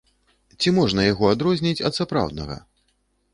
Ці можна яго адрозніць ад сапраўднага?